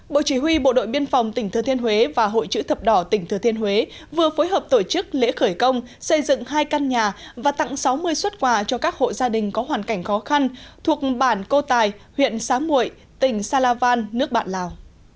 bộ chỉ huy bộ đội biên phòng tỉnh thừa thiên huế và hội chữ thập đỏ tỉnh thừa thiên huế vừa phối hợp tổ chức lễ khởi công xây dựng hai căn nhà và tặng sáu mươi xuất quà cho các hộ gia đình có hoàn cảnh khó khăn thuộc bản cô tài huyện xá muội tỉnh sa la van nước bạn lào